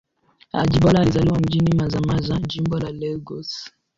Ajibola alizaliwa mjini Mazamaza, Jimbo la Lagos.